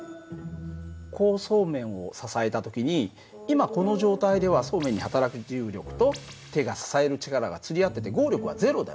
こうそうめんを支えた時に今この状態ではそうめんに働く重力と手が支える力が釣り合ってて合力は０だよね。